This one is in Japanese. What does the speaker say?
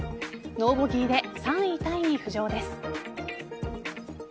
ノーボギーで３位タイに浮上です。